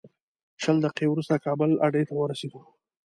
شل دقیقې وروسته کابل اډې ته ورسېدو.